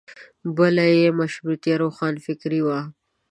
بله یې مشروطیه روښانفکري وه.